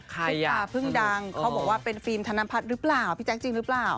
ซุปตาเพิ่งดังเขาบอกว่าเป็นฟิล์มธนพัฒน์หรือเปล่าพี่แจ๊คจริงหรือเปล่า